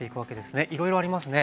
いろいろありますね。